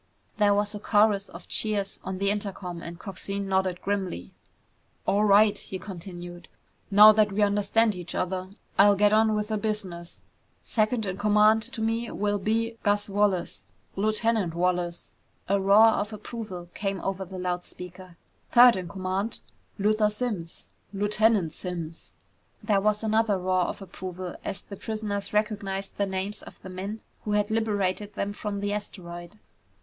There was a chorus of cheers on the intercom and Coxine nodded grimly. "All right," he continued, "now that we understand each other, I'll get on with the business. Second in command to me will be Gus Wallace. Lieutenant Wallace!" A roar of approval came over the loud speaker. "Third in command Luther Simms! Lieutenant Simms!" There was another roar of approval as the prisoners recognized the names of the men who had liberated them from the asteroid.